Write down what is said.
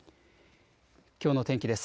きょうの天気です。